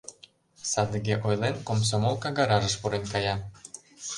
Садыге ойлен, комсомолка гаражыш пурен кая.